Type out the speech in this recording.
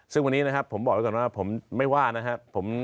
ซึ่งวันนี้นะครับผมบอกไว้ก่อนว่าผมไม่ว่านะครับ